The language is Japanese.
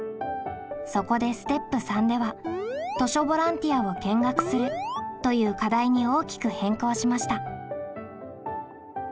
そこでステップ③では「図書ボランティアを見学する」という課題に大きく変更しました。